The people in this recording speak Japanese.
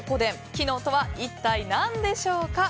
機能とは一体何でしょうか？